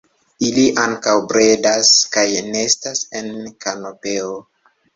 Ili ankaŭ bredas kaj nestas en kanopeo.